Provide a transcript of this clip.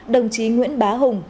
đồng chí nguyễn bá hùng